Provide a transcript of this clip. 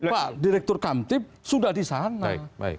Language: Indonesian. pak direktur kamtip sudah di sana